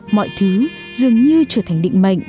mọi thứ dường như trở thành định mệnh